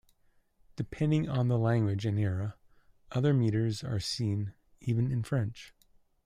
Depending on the language and era, other meters are seen, even in French.